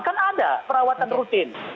kan ada perawatan rutin